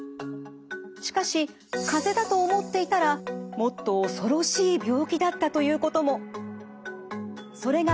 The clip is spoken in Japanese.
しかしかぜだと思っていたらもっと恐ろしい病気だったということも。